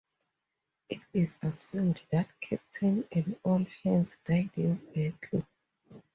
It is assumed that Captain and all hands died in battle.